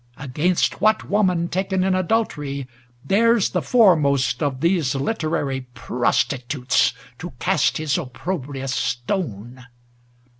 Against what woman taken in adul tery dares the foremost of these literary pros titutes to cast his opprobrious stone